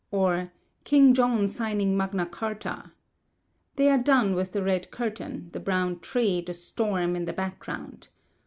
or "King John Signing Magna Charta"? They are gone with the red curtain, the brown tree, the storm in the background.